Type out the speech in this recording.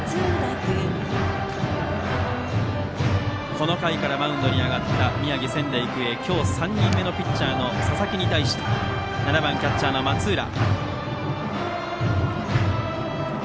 この回からマウンドに上がった宮城・仙台育英今日３人目のピッチャーの佐々木に対して７番キャッチャーの松浦。